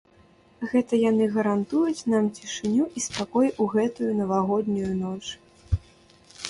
Гэта яны гарантуюць нам цішыню і спакой у гэтую навагоднюю ноч.